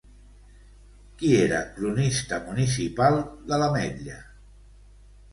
Qui era cronista municipal de l'Ametlla?